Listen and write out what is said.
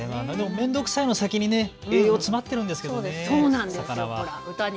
面倒くさいの先に栄養が詰まっているんですけれどもね、魚は。